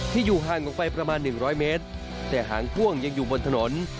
อยู่ห่างออกไปประมาณ๑๐๐เมตรแต่หางพ่วงยังอยู่บนถนน